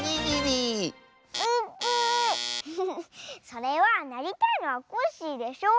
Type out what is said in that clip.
それはなりたいのはコッシーでしょ？